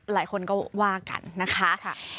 หลายคนก็ว่ากันนะคะ